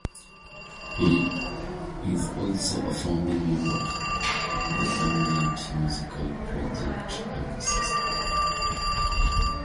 He is also a founding member of the ambient musical project Echo systems.